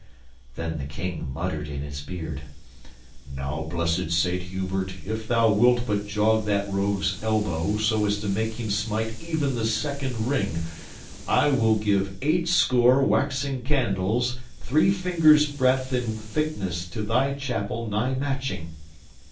Then the King muttered in his beard, "Now, blessed Saint Hubert, if thou wilt but jog that rogue's elbow so as to make him smite even the second ring, I will give eightscore waxen candles three fingers' breadth in thickness to thy chapel nigh Matching."